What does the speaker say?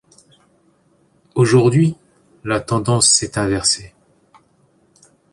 Aujourd’hui, la tendance s’est inversée.